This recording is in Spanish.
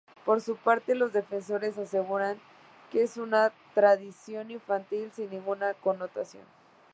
Por su parte, los defensores aseguran que es una tradición infantil sin ninguna connotación.